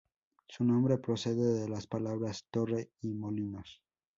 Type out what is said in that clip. Su nombre procede de las palabras "torre" y "molinos".